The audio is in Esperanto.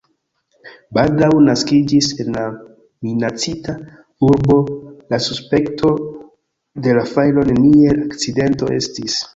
Baldaŭ naskiĝis en la minacita urbo la suspekto, ke la fajro neniel akcidento estis.